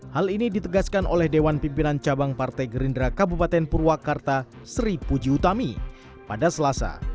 hal ini ditegaskan oleh dewan pimpinan cabang partai gerindra kabupaten purwakarta sri puji utami pada selasa